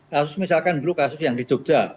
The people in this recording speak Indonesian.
kasus misalkan dulu kasus yang di jogja